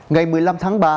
ngày một mươi năm tháng ba